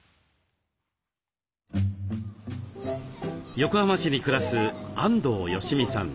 横浜市に暮らす安藤恵己さん。